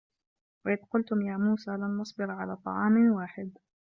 وَإِذْ قُلْتُمْ يَا مُوسَىٰ لَنْ نَصْبِرَ عَلَىٰ طَعَامٍ وَاحِدٍ